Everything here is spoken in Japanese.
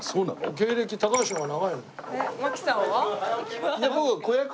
芸歴高橋の方が長いの。